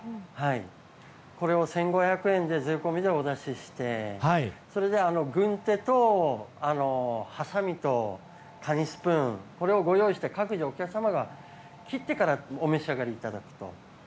これを１５００円で税込みでお出しして、軍手とハサミとカニスプーンをご用意して各自、お客様が切ってからお召しあがりいただくと。